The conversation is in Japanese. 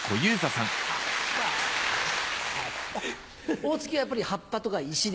大月はやっぱり葉っぱとか石で？